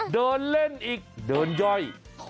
เดินเล่นอีกเดินย่อย